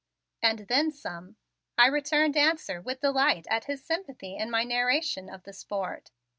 "And then some," I returned answer with delight at his sympathy in my narration of the sport.